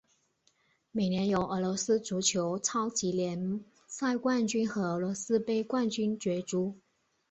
每年由俄罗斯足球超级联赛冠军和俄罗斯杯冠军角逐。